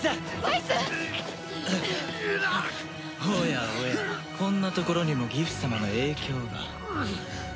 おやおやこんなところにもギフ様の影響が。